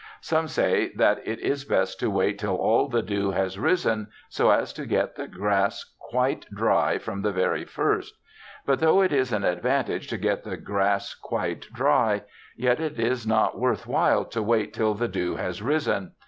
Some say that it is best to wait till all the dew has risen, so as to get the grass quite dry from the very first. But, though it is an advantage to get the grass quite dry, yet it is not worth while to wait till the dew has risen.